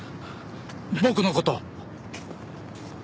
僕の事。